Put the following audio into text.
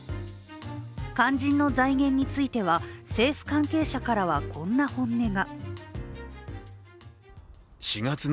肝心の財源については、政府関係者からはこんな本音が。